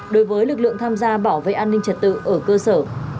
đối với lực lượng tham gia bảo vệ an ninh trật tự ở cơ sở